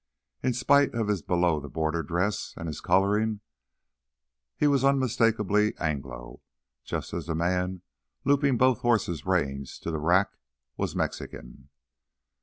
In spite of his below the border dress and his coloring, he was unmistakably Anglo, just as the man looping both horses' reins to the rack was Mexican.